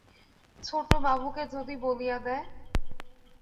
ছোট বাবুকে যদি বলিয়া দেয়!